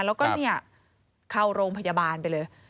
แล้วก็เข้ารงพยาบาลไปเลย